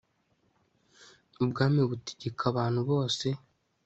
ubwami butegeka abantu bose